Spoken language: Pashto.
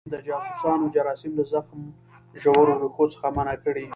د جاسوسانو جراثیم له زخم ژورو ریښو څخه منع کړي.